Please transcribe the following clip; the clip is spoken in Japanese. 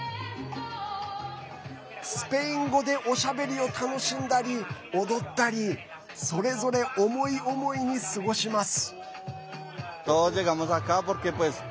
スペイン語でおしゃべりを楽しんだり踊ったりそれぞれ思い思いに過ごします。